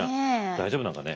大丈夫なのかね？